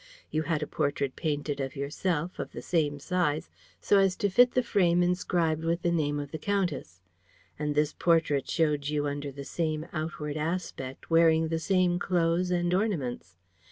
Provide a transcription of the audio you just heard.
You had a portrait painted of yourself, of the same size, so as to fit the frame inscribed with the name of the countess; and this portrait showed you under the same outward aspect, wearing the same clothes and ornaments.